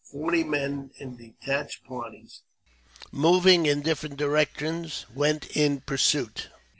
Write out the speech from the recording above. Forty men in detached] parties, moving in different directions, went in pursuit.